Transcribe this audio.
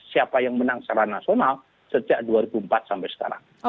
siapa yang menang secara nasional sejak dua ribu empat sampai sekarang